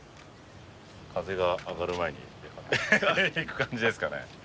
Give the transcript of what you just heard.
風があがる前に行く感じですかね？